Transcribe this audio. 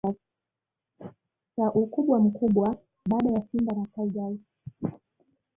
cha ukubwa mkubwa baada ya simba na tigers